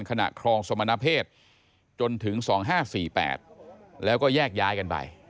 ครองสมณเพศจนถึง๒๕๔๘แล้วก็แยกย้ายกันไป